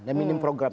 yang minim program